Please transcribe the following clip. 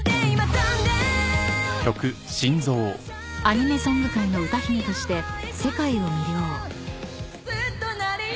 ［アニメソング界の歌姫として世界を魅了］